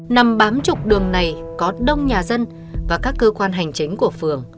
nằm bám trục đường này có đông nhà dân và các cơ quan hành chính của phường